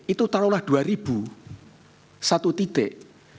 itu taruhlah dua satu titik